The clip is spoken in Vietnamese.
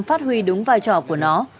phát huy đúng vai trò của nó